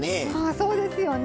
そうですよね。